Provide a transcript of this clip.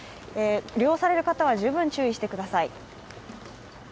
利用される方は十分注意をしてください。